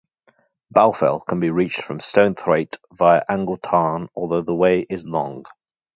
Bowfell can be reached from Stonethwaite via Angle Tarn although the way is long.